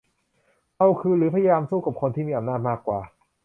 เอาคืนหรือพยายามสู้กับคนมีอำนาจมากกว่า